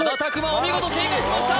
お見事正解しました！